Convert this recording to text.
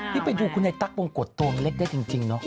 นี่ไปดูคุณไอ้ตั๊กบงกฎตัวมันเล็กได้จริงเนาะ